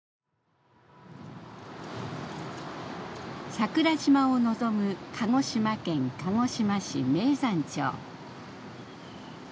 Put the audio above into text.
桜島を望む鹿児島県鹿児島市名山町。